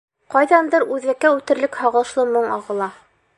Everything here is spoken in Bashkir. Ҡайҙандыр үҙәккә үтерлек һағышлы моң ағыла.